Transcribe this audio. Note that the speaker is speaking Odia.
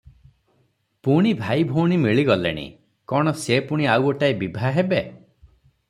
ପୁଣି ଭାଇ ଭଉଣୀ ମିଳି ଗଲେଣି! କଣ, ସେ ପୁଣି ଆଉ ଗୋଟାଏ ବିଭା ହେବେ?